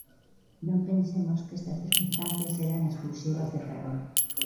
Non pensemos que estas circunstancias eran exclusivas de Ferrol.